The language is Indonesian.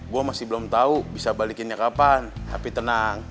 gue masih belum tahu bisa balikinnya kapan tapi tenang